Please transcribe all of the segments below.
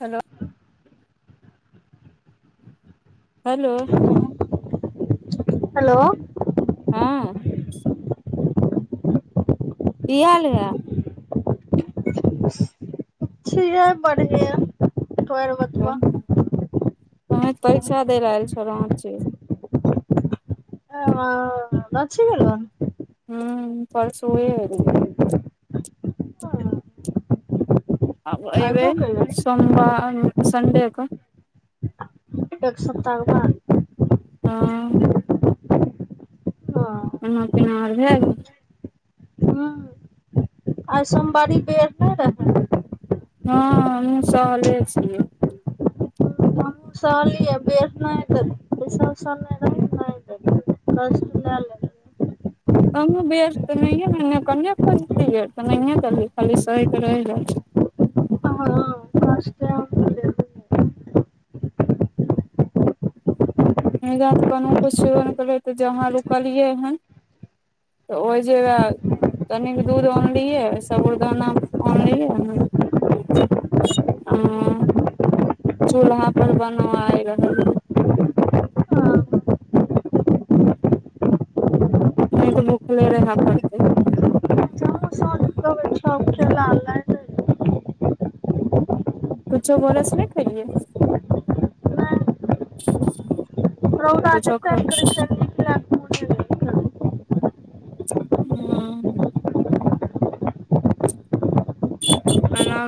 Hello hello hello हँ की हाल हे छीये बढ़िआ आओर अपन बढ़िया बताउ परीक्षा दे रहल छौ राँची में ह राँचि गेेल हन हू परसुए एलिये आब अयबै अयबो केलहन सोमवार संडेके एक सप्ताह क बाद हँ हँ खाना पीना आर भए गेल हूँ आइ सोमवारी पेड़ नहि रहै हँ हमहुँ सहले छियै हमहूँ सहलियै बे तऽ सह रखना तऽ करछुल ले लेबै [unintelligible] हमहु बेर तऽ नइये कने खोजतियै तऽ नहिए देलियै खाली सहि कऽ रहि गेलियै [inaudible] हँ कष्टे हम लेलियै हीयां तऽ कनहु किछ छेबे नइ अइछ करै तऽ जहाँ रुकलियै हन तऽ ओहि जे तनिक दूध आनलियै सबुरदाना आनलियै हन आयें चूल्हा पर बनबाय रहली हँ नइ तऽ भुखले रहै पड़ते कुछो भोरे से नइ खेलिये रहु आटत ख अ च हँ [unintelligible] एना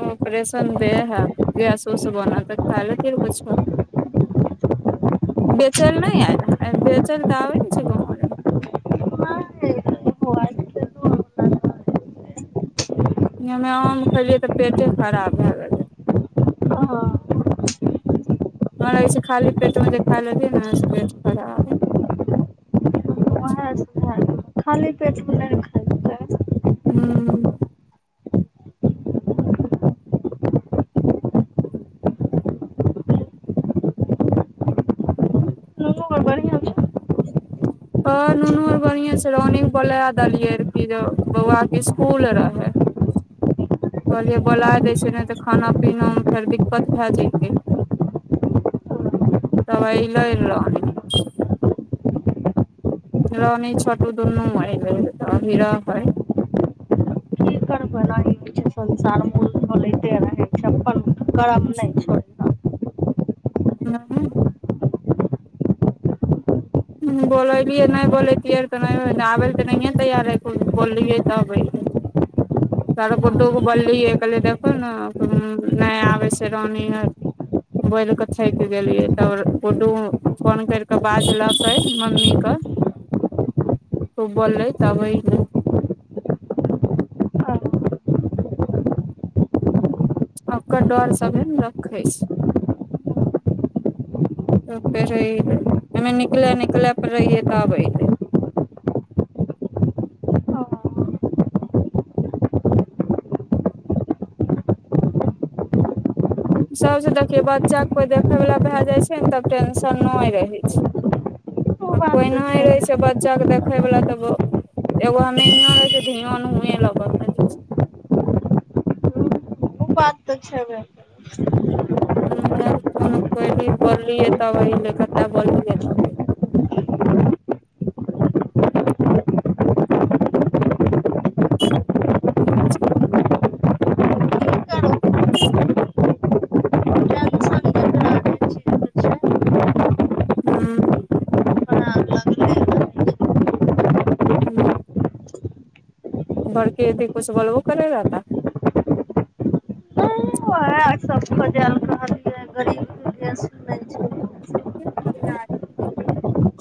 ऑपरेशन देह हे गैस उस बनत तऽ खा लेति रहै कुछो [unintelligible] बेचल नइ अएल रेहा बेचल तऽब ने करे छै गाम में [unintelligible] हमे आम खेलियै तऽ पेटे खराब भए गेलै खाली हमर लगे छै खाली पेट मे जे खा लेलियै ने से पेट खराब मह छै हूँ नुनू बर बढ़िया छलखिन हँ नुनू आर बढ़ियां से रानीक बोला देलियै रहे की जे बौआ के स्कुल रहे कहलियै बोला हन दै छियै नहि तऽ खाना पीनामे फेर दिक्कत भे जैतै हबे अएलै रानी रानी छोटू दुनू अएलै र तऽ अभी रहै कि करबेण करब नहि छोड़ि कऽ हँ [unintelligible] हँ बोललियै नहि बोलैतियै तऽ नहि आबै लए तऽ नहिए तैयार है बोललियै तब अयलै त [inaudible] तर गुड्डू के बोललियै कहलियै देखहो ने नहि आबै छै रानी आर बोलि कऽ थकि गेलियै तब गुड्डू फोन करि कऽ बाजलक मम्मी कऽ उ बोललै तब अयलै आ [inaudible] आ ओकर डर सभे ने रखै छै तब फेर अयलै हमे निकलय निकलय पर रहियै तऽब अयलै [inaudible] ओ सभसँ देखियै बच्चाके कोइ देखयवला भए जाइ छै ने तब टेंशन नहि रहै छै आ बात कोइ तऽ नहि छैबे रहै छै बच्चाके देखयवला तऽ ब एगो हम इंहो रहै छी मोन हुएं लगल रहैत छै उ बात तऽ छैबे करै हँ उहां अभी फोनो कैली बोललियै तब अइलै केत्ता बोललियै तब [inaudible] अच्छा की करबै टेंशन जेकरा रहै छै से छै हूँ ओकरा लगले रहै छै ह्म बड़की दीदी कुछो बोलबो करै रहता उएह सब खोजल कहलियै गरीबके देश नै छै के करैया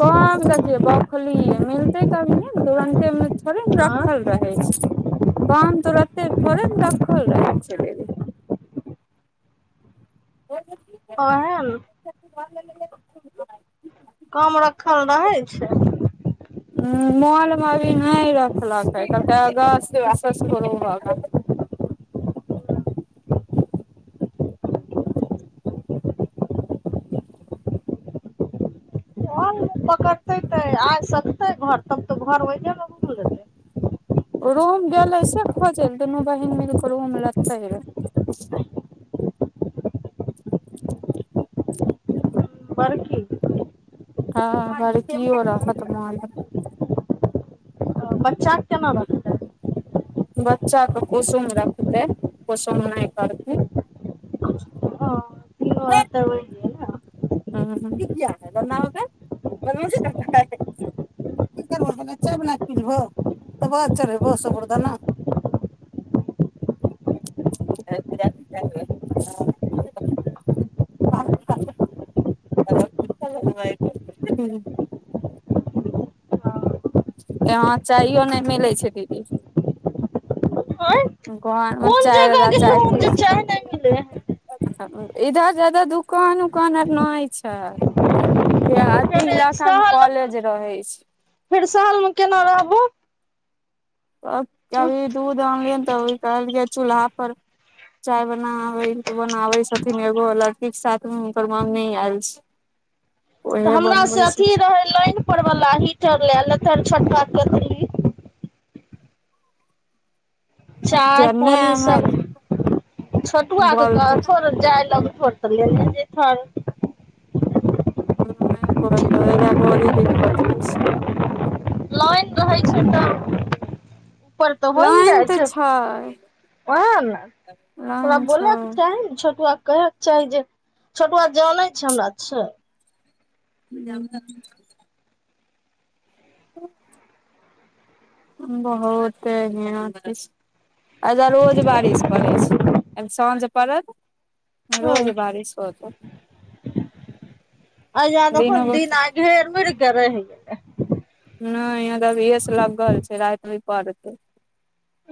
काम देखिये बौखलिये मिलते तभिये ने तुरन्ते थोड़े ने रखल रहै छै काम तुरत्ते थोड़े ने रखल रहै छै बेबी ओहे ने [unintelligible] काम रखल रहै छै ह मॉल मे अभी नहि रखलकै कहलकै अगस्त सितम्बर [inaudible] [inaudible] ओर पकड़तै तऽ आ सकतै घर तब तऽ घर ओहिजे ने घुम लेतै रूम गेलै से खोजैल दुनू बहीन मिलकेऽ रूम लेते रहे बड़की हँ घर कियो रह तम हो बच्चा के केना रखतै बच्चाके कुसुम रखतै कुसुम नहि करतै हँ तीनों रहतै ने हँ इ किया नै बननाइ होतै बदमासी करतै खा [unintelligible] की करबहो पहिने चाय बना कऽ पिलेबहो तैके बाद चढ़ैबहो सबुरदाना [inaudible] [unintelligible] ह्म ह्म [unintelligible] यहाँ चाइयो नहि मिलै छै दीदी आँय घरमे कोन चाय जगह रहला चाय गेलहु हन जे किछु चाय नै मिलै है इधर जादा दुकान उकान आर नहि छै देहाति फेर इलाका मे शहर कॉलेज रहै छै फेर शहर मे केना रहबुहू तब अभी दूध आनलियनि त अभी कहलियै चूल्हा पर चाय बनाबै तऽ बनाबै छथिन एगो लड़की के साथमे हुनकर मम्मी आयल छै [inaudible] तऽ हमरा से बनबै अथी छथिन रहै लाइन पर वला हीटर लए लेतैर छोटका केतली चाय जन्ने पानि सब हमर छोटुआ के बोलथिन कहतहो र जाय लगतहो र त लेने जैतह र नहि बोलहो एहिजा बरी दिक्कत होइ छै लाइन रहै छैन तऽ ऊपर तऽ छै होइ ने लाइन जाइ तऽ छै ओहै न तोरा लाइन छै बोलैके चाही ने छोटुआ कहेके चाही जे छोटुआ जानै छै हमरा छै जानतै र त [inaudible] बहुत हियां एहिजा रोज बारिश पड़ै छै एम साँझ पड़त रोज हूं बारिश होत अहिजा देखो न दिन आई ढ़ेर गर्मी रहै नहि यहां तऽ अभियेसे लगल छै राति भी परतै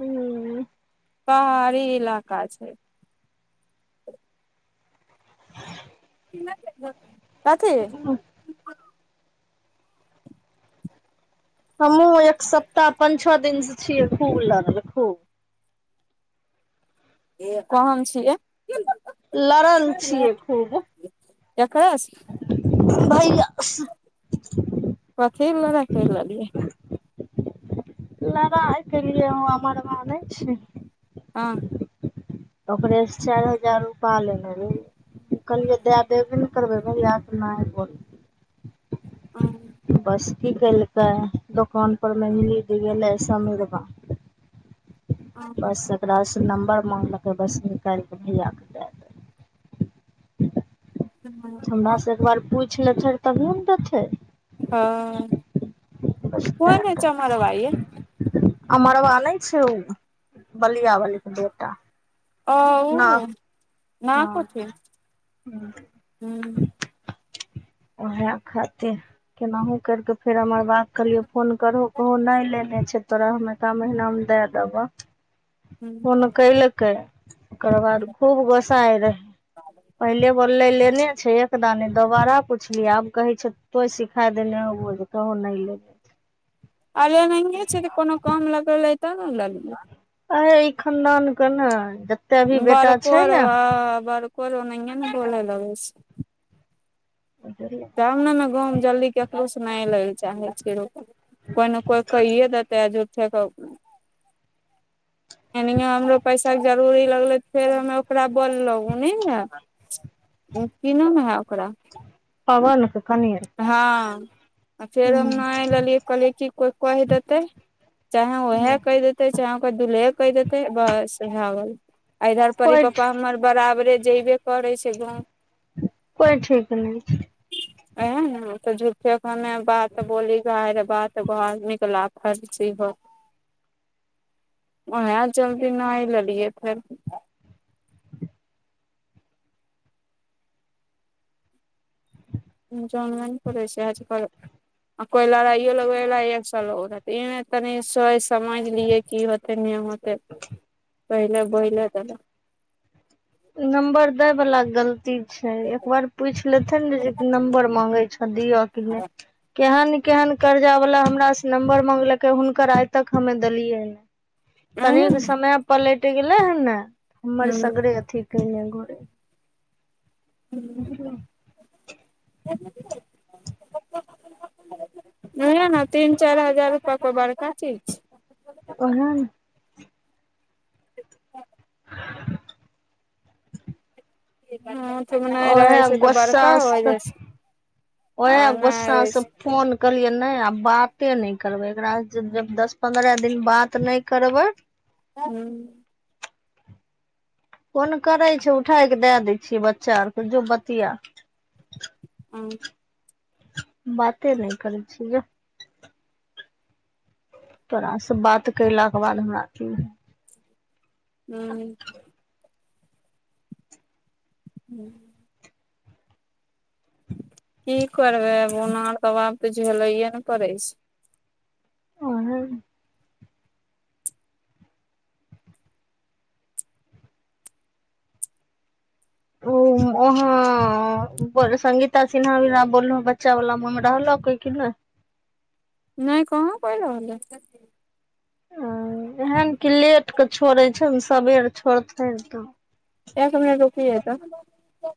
हूं पहाड़ी इलाका छै कथी हमहूँ एक सप्ताह पाँच छओ दिनसँ छियै खूब लगल खूब कोन छियै लड़ल छिय खूब ककरा से भइआ कथि लड़ाई कर लेलिए लड़ाई क लियए ओ हममर भाइ नहि छी हँ ओकरे चारि हजार रुपा ललेलिएय कहलियै दए देबे ने करबै भैआ अपना ह बोल हँ बस की केलकै दोकानपरमे मिलि गेलै अमरबा बस एकरासँ नम्बर मागलकै बस निकालि कऽ भैयाकेँ दए देल हमरा से एकबार पूछि लेतै तभी ने देतै बस दए देल [unintelligible] अमरबा नहि छै ओ बलिया बलीे बेटा न हँ [unintelligible] उएह खातिर केनाहु करि कऽ फेर हमर बात कहलियै फोन करहो कहू नहि लेले नहि छै तोरा हम एका महना मे दए देबऽ हूं। फोन केलकै ओकर बाद खूब गोस्सा आ रहै पहिले बो ले लेने छै एक दा ने दोबाराह छली आब कहै छै तो सिखा देने हबो जे कहूँ नहि लेबै अल नहिंगे छै कोनो काम लगलै त ने ल ल [unintelligible] अे ई खनदान के ने जते भी बेटा छै बड़कर ने आ बरकर हो ने अ ने बोललगै छै तब ने ने गाँवमे जल्दी ककरोसँ नहि लै लए चाहै छियै रपै कोइ ने कोइ कहित हजूठे के एनहि हमरो पैसाके जरूरी लगलै फेर हमे ओकरा बोललहु ओ ने कीनाम है ओकरा पवनक कनियन हँ आ फेर हम न लेलियै कहलियै की कोइ कहि देतै चाहे वह कहि देतै चाहे ओककर दुलहेेक बस इएह इधर परी कोइ पप्पा हमर बराबरे जेबे करै छै गाँव कोइ ठीक नहि छै आ तऽ झूठे हमे बात बोली ह बात ब आदमी के लापर्ची हो [unintelligible] वह जल्दी नी लेलियए फेर जनद ने प छै आज कर [unintelligible] आ कोइ लड़ाइयो लगबै ला एक सए रह तनी सोच समझ लियै की होते नही‌ होते मत पहिले बहिला तेल नम्बर दए बला गलती छै एकबार पूछि लेथिेन ने जे नम्बर मांगे छ दी औ कि ने नही केहन कर्जा वाला हमर से नम्बर मागलकै हुनकर आइ तक हमे देलियै तनी एहे ने समय पर लेट गेलै हे ने हमर हूँ सगरे अथी घ बुझ [inaudible] नहि ने तीन चारि हजार रुपआ को बड़का चीज छै ओहन ह [inaudible] रहै उएह छै तऽ बड़का हो गोस्साँ जाइ छै उएह आर नहि गोस्साँ रहै छै फोन कहलियै नहि आब बाते नहि करबै एकराास जब दस पन्द्रह दिन बात नहि करबै ह्म फोन करै छै उठाय कऽ दए दै छियै बच्चा आरके जो बतिया ह [unintelligible] बाते नहि करै छिय जोह तोरास से बात कयलाक के बाद हमराथी है ह्म ह्म की करबै उनार तब तऽ झेलैए ने पड़ै छै अोहे न उ उहा उपर सगीता सिन्हा भीरा बोललोह बच्चा वाला उ मे रहलो कोई कि नहि [inaudible] नहि कहाँ पहि रहलै ह एहन कि लेटके छोड़ै छै ने सबेर छोड़ते तऽ एक मिनट रुकिये त